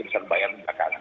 biar bayar belakangan